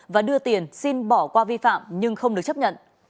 và đưa tiền xin bỏ qua vi phạm nhưng không được chấp nhận